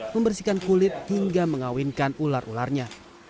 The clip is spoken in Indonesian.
membersihkan kulit hingga mengawinkan ular ularnya